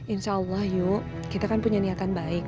insya allah yuk kita kan punya niatan baik